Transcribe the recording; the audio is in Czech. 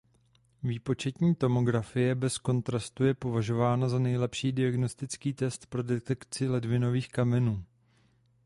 Výpočetní tomografie bez kontrastu je považována za nejlepší diagnostický test pro detekci ledvinových kamenů.